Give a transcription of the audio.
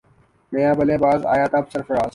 نیا بلے باز آیا تب سرفراز